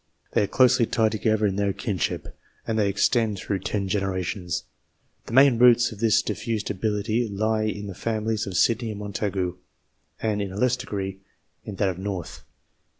They are closely tied together in their kin ship, and they extend through ten generations. The main roots of this diifused ability lie in the families of Sydney and Montagu, and, in a lesser degree, in that of North.